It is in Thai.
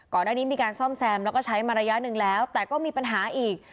ก่อนหน้านี้มีการซ่อมแซมแล้วก็ใช้มาระยะหนึ่งแล้วแต่ก็มีปัญหาอีก